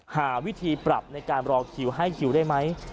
หาวิธีปรับในการรอคิวให้คิวได้ไหม